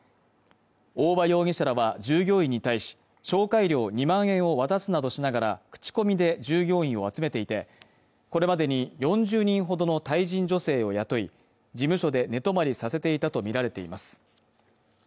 大場容疑者らは従業員に対し紹介料２万円を渡すなどしながら口コミで従業員を集めていてこれまでに４０人ほどのタイ人女性を雇い事務所で寝泊まりさせていたとみられています